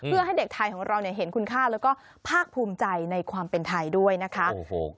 เพื่อให้เด็กไทยของเราเห็นคุณค่าแล้วก็ภาคภูมิใจในความเป็นไทยด้วยนะคะ